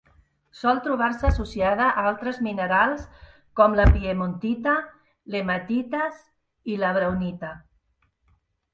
Sol trobar-se associada a altres minerals com la piemontita, l'hematites i la braunita.